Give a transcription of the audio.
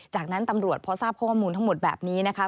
จากนั้นตำรวจพอทราบข้อมูลทั้งหมดแบบนี้นะคะ